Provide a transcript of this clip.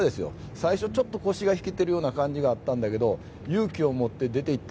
最初、ちょっと腰が引けてるような感じがあったんだけど勇気を持って出て行った。